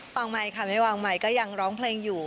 วางไมค์ค่ะไม่วางไมค์ก็ยังร้องเพลงอยู่